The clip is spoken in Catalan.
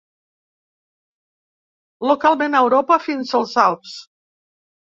Localment a Europa fins als Alps.